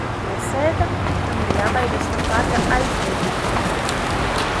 Pilsētā man ir jābaidās no katra aizdomīga.